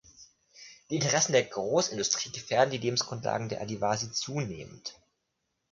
Die Interessen der Großindustrie gefährden die Lebensgrundlage der Adivasi zunehmend.